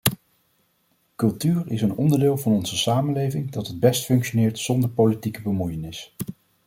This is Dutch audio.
Cultuur is een onderdeel van onze samenleving dat het best functioneert zonder politieke bemoeienis.